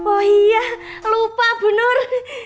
oh iya lupa benar